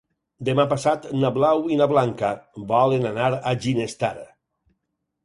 Demà passat na Blau i na Blanca volen anar a Ginestar.